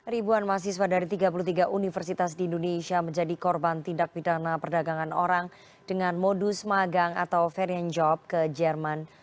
ribuan mahasiswa dari tiga puluh tiga universitas di indonesia menjadi korban tindak pidana perdagangan orang dengan modus magang atau varian job ke jerman